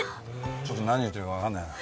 ちょっと何言ってるかわかんないな。